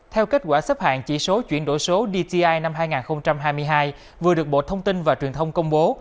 theo kết quả xếp hạng chỉ số chuyển đổi số dti năm hai nghìn hai mươi hai vừa được bộ thông tin và truyền thông công bố